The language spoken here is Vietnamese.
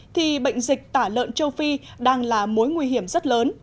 thì bệnh dịch tả lợn châu phi đang là mối nguy hiểm rất lớn